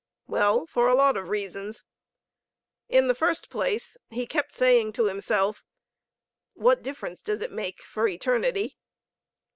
Well, for a lot of reasons. In the first place, he kept saying to himself, "What difference does it make for eternity?